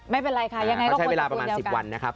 ไม่เป็นไรค่ะยังไงก็ควรจะคุณเดียวกัน